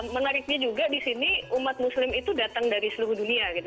menariknya juga di sini umat muslim itu datang dari seluruh dunia gitu